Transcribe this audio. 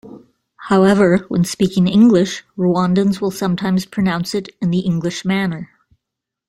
However, when speaking English, Rwandans will sometimes pronounce it in the English manner.